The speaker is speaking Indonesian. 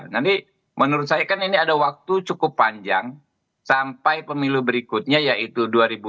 jadi menurut saya kan ini ada waktu cukup panjang sampai pemilu berikutnya yaitu dua ribu dua puluh sembilan